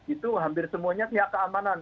itu hampir semuanya pihak keamanan